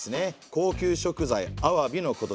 高級食材アワビのことです。